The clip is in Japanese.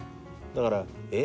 だからえ？